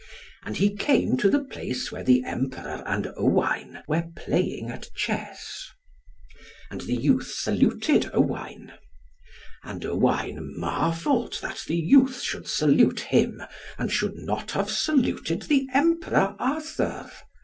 And he came to the place where the Emperor and Owain were playing at chess. And the youth saluted Owain. And Owain marvelled that the youth should salute him and should not have saluted the Emperor Arthur.